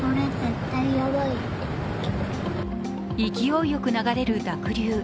勢いよく流れる濁流。